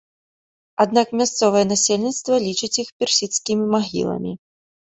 Аднак мясцовае насельніцтва лічыць іх персідскімі магіламі.